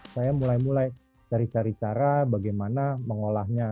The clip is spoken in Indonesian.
saya mulai mulai cari cari cara bagaimana mengolahnya